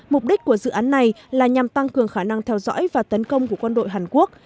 mục đích của dự án này là nhằm tăng cường khả năng theo dõi và tấn công của quân đội hàn quốc